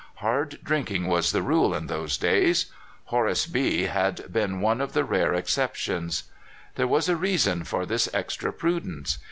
Hard drinking was the rule in those days. Horace B had been one of the rare exceptions. There was a reason for this extra prudence.